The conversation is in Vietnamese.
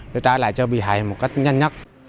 để trả lại cho bị hại một cách nhanh nhất